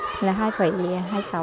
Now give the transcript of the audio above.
thì là hai hai